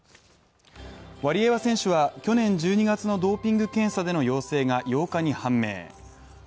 ワリエワ選手は去年１２月のドーピング検査での陽性が８日に判明。